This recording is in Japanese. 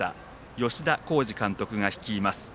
吉田洸二監督が率います。